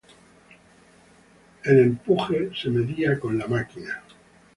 El empuje se medía con "la máquina".